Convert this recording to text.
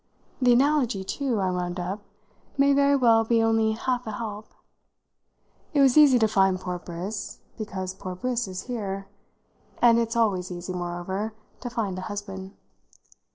The analogy too," I wound up, "may very well be only half a help. It was easy to find poor Briss, because poor Briss is here, and it's always easy, moreover, to find a husband.